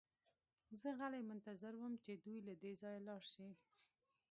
زه غلی منتظر وم چې دوی له دې ځایه لاړ شي